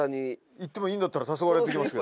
いってもいいんだったらたそがれてきますよ。